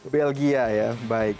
belgia ya baik